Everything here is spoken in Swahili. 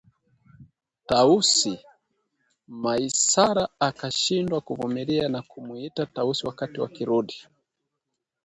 “Tausi?!” Maisara akashindwa kuvumilia na kumuita Tausi wakati wakirudi